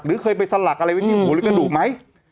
เคยไปสลักอะไรไว้ที่หัวหรือกระดูกไหม